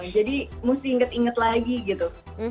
jadi mesti inget inget lagi gitu